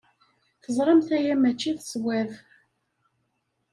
Teẓramt aya maci d ṣṣwab.